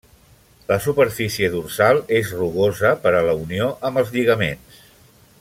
La superfície dorsal és rugosa per a la unió amb els lligaments.